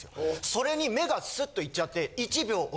それに目がスッといっちゃって。